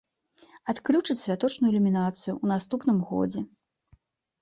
Адключаць святочную ілюмінацыю ў наступным годзе.